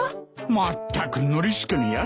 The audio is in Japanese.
まったくノリスケのやつ。